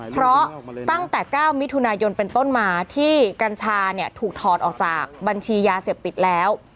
เพราะตั้งแต่๙มิถุนายนเป็นต้นมาที่กัญชาเนี่ยถูกถอดออกจากบัญชียาเสพติดแล้ว